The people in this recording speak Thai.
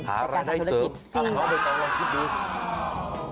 หารายได้เสริมตอนนั้นต้องลองคิดดู